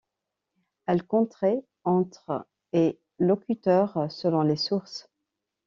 Elle compterait entre et locuteurs selon les sources.